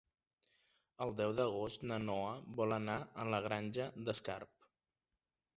El deu d'agost na Noa vol anar a la Granja d'Escarp.